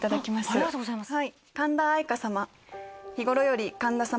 ありがとうございます。